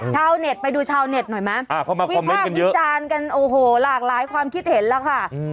ชาวเน็ตไปดูชาวเน็ตหน่อยมั้ยอ่าเขามาคอมเม้นต์กันเยอะวิภาพวิจารณ์กันโอ้โหหลากหลายความคิดเห็นแล้วค่ะอืม